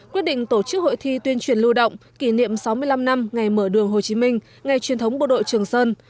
quyết định tổ chức hội thi tuyên truyền lưu động kỷ niệm sáu mươi năm năm ngày mở đường hồ chí minh ngày truyền thống bộ đội trường sơn